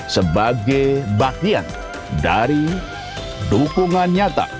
sebagai bagian dari dukungan nyata